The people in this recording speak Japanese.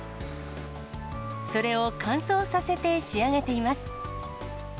それを乾燥させて仕上げています。